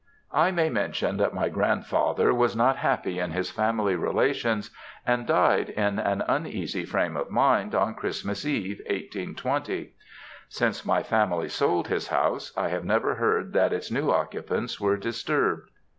I may mention that my grandfather was not happy in his family relations, and died in an uneasy frame of mind, on Christmas eve, 1820. Since my family sold his house, I have never heard that its new occupants were disturbed.